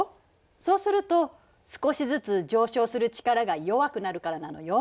そうすると少しずつ上昇する力が弱くなるからなのよ。